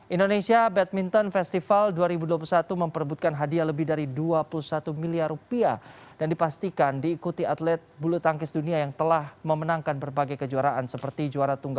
indonesia badminton festival dua ribu dua puluh satu memperbutkan hadiah lebih dari dua puluh satu miliar rupiah dan dipastikan diikuti atlet bulu tangkis dunia yang telah memenangkan berbagai kejuaraan seperti juara